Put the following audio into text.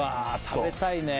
食べたいね